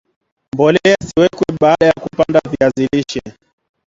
mbolea isiwekwe baada ya kupanda viazi lishe